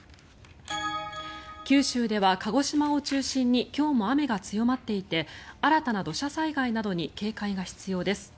九州では鹿児島を中心に今日も雨が強まっていて新たな土砂災害などに警戒が必要です。